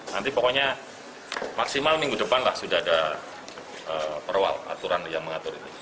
nanti pokoknya maksimal minggu depan lah sudah ada perwal aturan yang mengatur itu